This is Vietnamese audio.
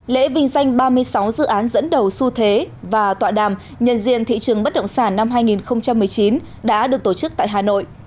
lễ vinh danh ba mươi sáu dự án dẫn đầu xu thế và tọa đàm nhận diện thị trường bất động sản năm hai nghìn một mươi chín đã được tổ chức tại hà nội